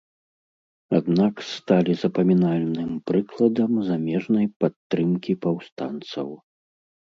Аднак сталі запамінальным прыкладам замежнай падтрымкі паўстанцаў.